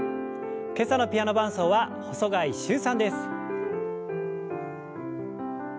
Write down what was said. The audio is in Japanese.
今朝のピアノ伴奏は細貝柊さんです。